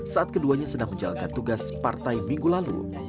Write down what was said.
saat keduanya sedang menjalankan tugas partai minggu lalu